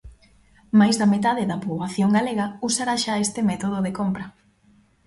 Mais da metade da poboación galega usara xa este método de compra.